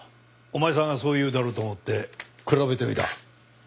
お前さんがそう言うだろうと思って比べてみた。